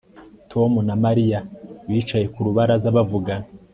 Tom na Mariya bicaye ku rubaraza bavugana